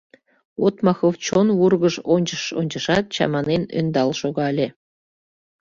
Отмахов чон вургыж ончыш-ончышат, чаманен, ӧндал шогале.